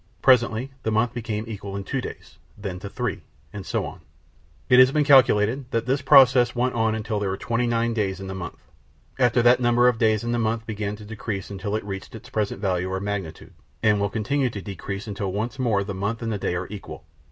Presently the month became equal to two days, then to three, and so on. It has been calculated that this process went on until there were twenty nine days in the month. After that the number of days in the month began to decrease until it reached its present value or magnitude, and will continue to decrease until once more the month and the day are equal.